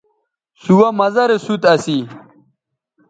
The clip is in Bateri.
سوہ مزہ رے سوت اسی